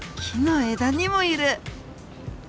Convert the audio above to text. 木の枝にもいる！